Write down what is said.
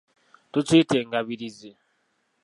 Tukiyita engabirizi.